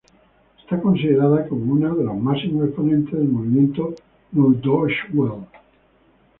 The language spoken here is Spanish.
Es considerada como uno de los máximos exponentes del movimiento Neue Deutsche Welle.